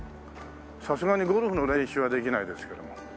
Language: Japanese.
さすがにゴルフの練習はできないですけども。